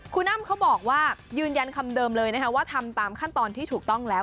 คุณอ้ำเขาบอกว่ายืนยันคำเดิมเลยนะคะว่าทำตามขั้นตอนที่ถูกต้องแล้ว